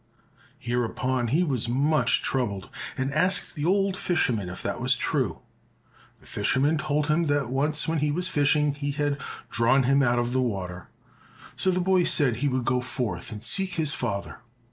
Hereupon he was much troubled, and asked the old fisherman if that was true? The fisherman told him that once when he was fishing he had drawn him out of the water. So the boy said he would go forth and seek his father.